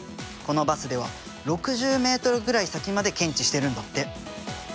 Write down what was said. このバスでは６０ｍぐらい先まで検知してるんだって。